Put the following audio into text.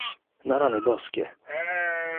"Na rany Boskie!"